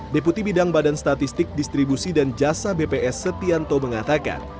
deputi bidang badan statistik distribusi dan jasa bps setianto mengatakan